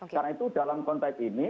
karena itu dalam konteks ini